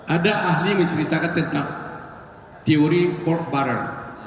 ada ahli menceritakan tentang teori pork butter